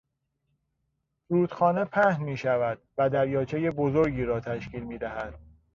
رودخانه پهن میشود و دریاچهی بزرگی را تشکیل میدهد.